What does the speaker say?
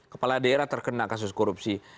kepala daerah terkena kasus korupsi